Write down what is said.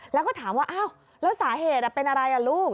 แล้วก็ถามว่าอ้าวแล้วสาเหตุเป็นอะไรลูก